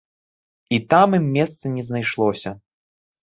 І там ім месца не знайшлося.